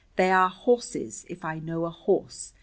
"They are horses, if I know a horse.